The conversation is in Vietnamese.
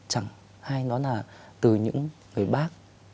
hay nó là từ những người bác